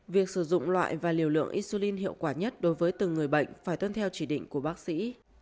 việc sử dụng loại và liều lượng insulin hiệu quả nhất đối với từng người bệnh phải tuân theo chỉ định của bác sĩ